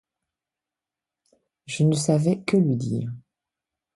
Je ne savais que lui dire